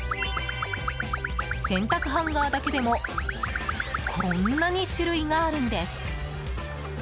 洗濯ハンガーだけでもこんなに種類があるんです。